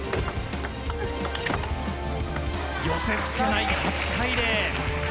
寄せつけない、８対０。